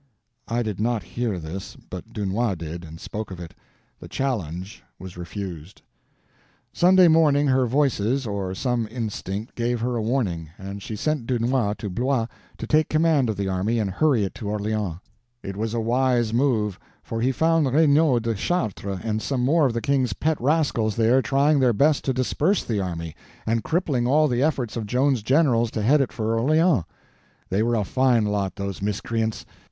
I did not hear this, but Dunois did, and spoke of it. The challenge was refused. Sunday morning her Voices or some instinct gave her a warning, and she sent Dunois to Blois to take command of the army and hurry it to Orleans. It was a wise move, for he found Regnault de Chartres and some more of the King's pet rascals there trying their best to disperse the army, and crippling all the efforts of Joan's generals to head it for Orleans. They were a fine lot, those miscreants.